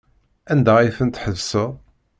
Anda ay tent-tḥebseḍ?